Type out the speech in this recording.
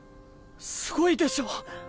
すごいでしょ！